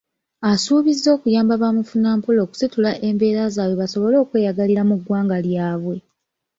Asuubizza okuyamba bamufunampola okusitula embeera zaabwe basobole okweyagalirira mu ggwanga lyabwe.